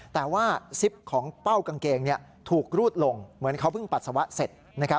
แต่ว่าซิปของเป้ากางเกงถูกรูดลงเหมือนเขาเพิ่งปัสสาวะเสร็จ